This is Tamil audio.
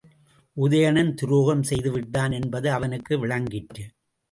உதயணன் துரோகம் செய்துவிட்டான் என்பது அவனுக்கு விளங்கிற்று.